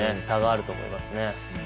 差があると思いますね。